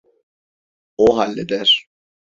O halleder.